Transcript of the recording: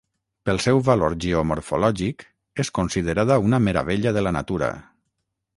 Pel seu valor geomorfològic és considerada una meravella de la natura.